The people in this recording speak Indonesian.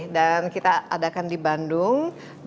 dan kita adakan di bandung